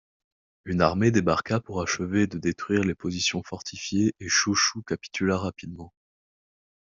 Une armée débarqua pour achever de détruire les positions fortifiées et Chōshū capitula rapidement.